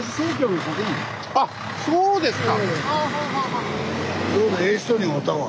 あっそうですか。